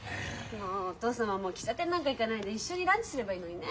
もうお義父様も喫茶店なんか行かないで一緒にランチすればいいのにね。